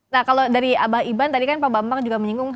nah kalau dari abah iban tadi kan pak bambang juga menyinggung